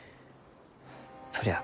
そりゃあ